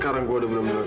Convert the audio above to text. apaasih kamu anjir